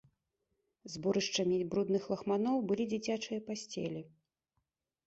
Зборышчамі брудных лахманоў былі дзіцячыя пасцелі.